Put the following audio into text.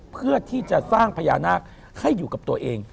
เพื่อที่จะสร้างพญานาคให้อยู่กับตัวเอง